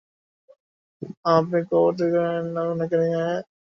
আপনি কবর তৈরি করেন, আমি উনাকে নিয়ে আসতেছি।